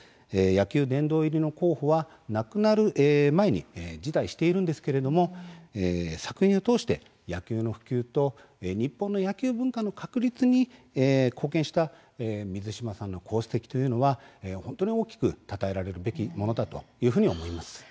野球殿堂入りの候補は亡くなる前に辞退しているんですけれども作品を通して、野球の普及と日本の野球文化の確立に貢献した水島さんの功績というのは本当に大きくたたえられるべきものだというふうに思います。